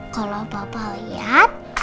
kalau papa lihat